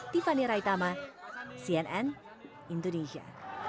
tiffany raitama cnn indonesia